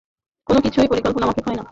কোনোকিছুই পরিকল্পনামাফিক হয় না।